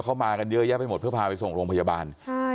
มากันเยอะแยะไปหมดเพื่อพาไปส่งโรงพยาบาลใช่